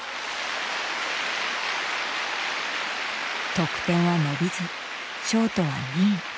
得点は伸びずショートは２位。